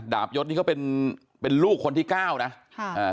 บยศนี่เขาเป็นเป็นลูกคนที่เก้านะค่ะอ่า